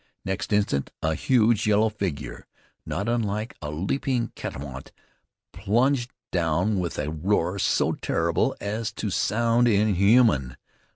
Next instant a huge yellow figure, not unlike a leaping catamount, plunged down with a roar so terrible as to sound inhuman.